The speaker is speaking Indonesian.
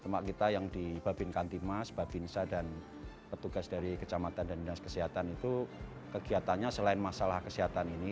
mak kita yang di babin kantimas babinsa dan petugas dari kecamatan dan dinas kesehatan itu kegiatannya selain masalah kesehatan ini